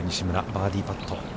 バーディーパット。